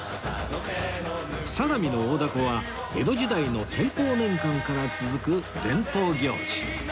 相模の大凧は江戸時代の天保年間から続く伝統行事